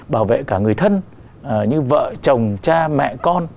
bảo vệ cả người thân như vợ chồng cha mẹ con